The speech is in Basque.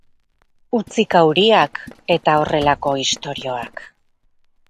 Utzi kauriak eta horrelako istorioak.